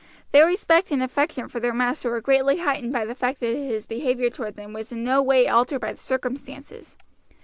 Their respect and affection for their master were greatly heightened by the fact that his behavior toward them was in no way altered by the circumstances.